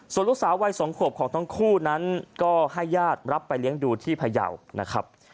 ส่วนลูกสาววัย๒ขวบของทั้งคู่นั้นก็ให้ญาติรับไปเลี้ยงดูที่พยาวนะครับ